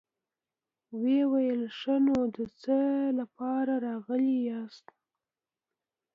ويې ويل: ښه نو، د څه له پاره راغلي ياست؟